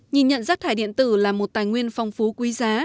nhìn nhận rác thải điện tử là một tài nguyên phong phú quý giá